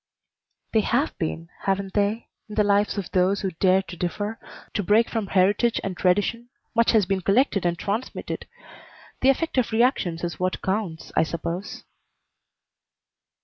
"They have been haven't they? In the lives of those who dare to differ, to break from heritage and tradition, much has been collected and transmitted. The effect of re actions is what counts, I suppose."